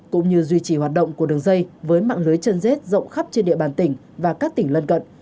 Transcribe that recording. cũng như duy trì hoạt động của đường dây với mạng lưới chân dết rộng khắp trên địa bàn tỉnh và các tỉnh lân cận